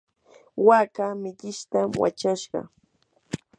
waaka millishtam wachashqa.